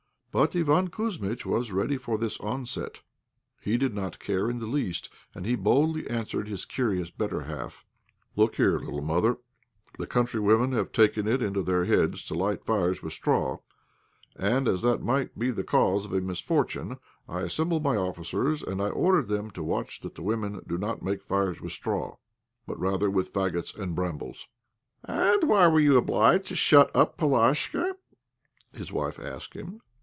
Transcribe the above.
But Iván Kouzmitch was ready for this onset; he did not care in the least, and he boldly answered his curious better half "Look here, little mother, the country women have taken it into their heads to light fires with straw, and as that might be the cause of a misfortune, I assembled my officers, and I ordered them to watch that the women do not make fires with straw, but rather with faggots and brambles." "And why were you obliged to shut up Polashka?" his wife asked him.